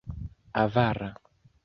Avara.